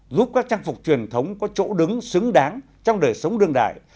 giúp các trang phục truyền thống có chỗ đứng xứng đáng trong đời sống đương đại